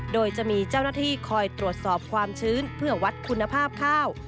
โดยจะมีเจ้าหน้าที่คอยตรวจสอบความชื้นเพื่อวัดคุณภาพข้าว